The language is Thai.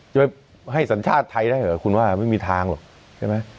จะไปให้สัญชาติไทยได้เหรอคุณว่าไม่มีทางหรอกใช่ไหม